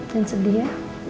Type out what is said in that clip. dan sedih ya